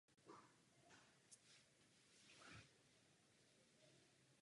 Avšak následující sezóna byla ve znamení stávky.